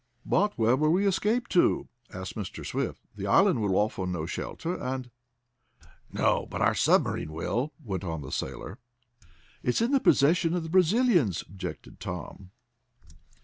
"But where will we escape to?" asked Mr. Swift. "The island will afford no shelter, and " "No, but our submarine will," went on the sailor. "It's in the possession of the Brazilians," objected Tom.